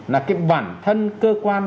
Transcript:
là cái bản thân cơ quan